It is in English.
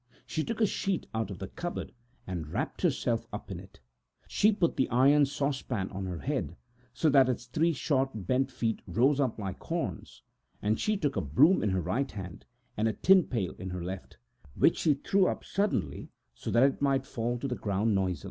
She took a sheet out of the cupboard and wrapped herself up in it; then she put the iron pot on to her head, so that its three short bent feet rose up like horns, took a broom in her right hand and a tin pail in her left, which she threw up suddenly, so that it might fall to the ground noisily.